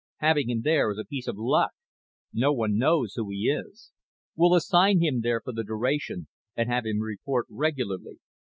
Having him there is a piece of luck. No one knows who he is. We'll assign him there for the duration and have him report regularly.